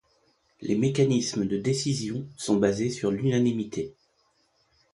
Les mécanismes de décision sont basés sur l'unanimité.